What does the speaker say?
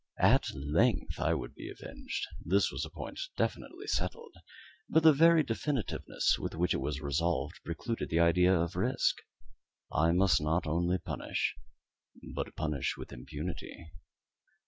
At length I would be avenged; this was a point definitely settled but the very definitiveness with which it was resolved, precluded the idea of risk. I must not only punish, but punish with impunity.